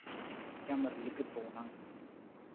Camar liki tuunng.